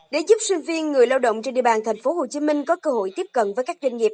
để giúp sinh viên người lao động trên địa bàn thành phố hồ chí minh có cơ hội tiếp cận với các doanh nghiệp